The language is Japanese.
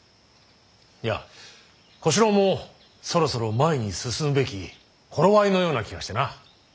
いや小四郎もそろそろ前に進むべき頃合いのような気がしてな。